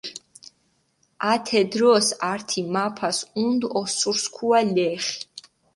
ათე დროს ართი მაფას ჸუნდჷ ოსურისქუა ლეხი.